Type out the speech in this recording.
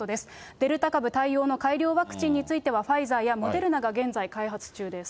デルタ株対応の改良ワクチンについては、ファイザーやモデルナが現在開発中です。